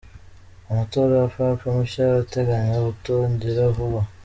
Amatora ya Papa mushya arateganywa gutangira vuba